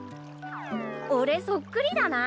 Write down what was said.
俺そっくりだな